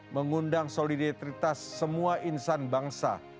mengundang solidaritas semua insan bangsa